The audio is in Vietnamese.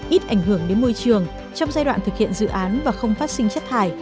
ít ảnh hưởng đến môi trường trong giai đoạn thực hiện dự án và không phát sinh chất thải